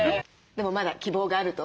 でもまだ希望があると。